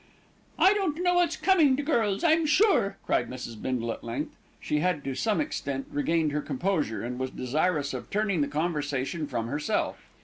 "I don't know what's coming to girls, I'm sure," cried Mrs. Bindle at length. She had to some extent regained her composure, and was desirous of turning the conversation from herself.